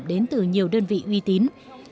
đến từ nhiều đơn vị uy tín